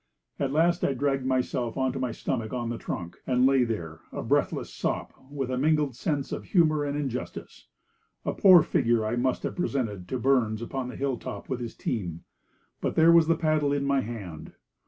At last I dragged myself on to my stomach on the trunk, and lay there a breathless sop, with a mingled sense of humour and injustice. A poor figure I must have presented to Burns upon the hill top with his team. But there was the paddle in my hand.